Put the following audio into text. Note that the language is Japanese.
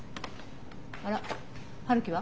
あら陽樹は？